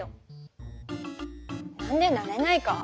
何でなれないか？